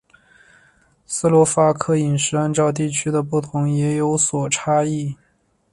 斯洛伐克饮食按照地区的不同也有所差异。